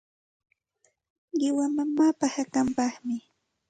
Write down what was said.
Qiwa mamaapa hakanpaqmi.